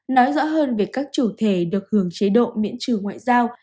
nói rõ hơn về các chủ thể được hưởng chế độ miễn trừ ngoại giao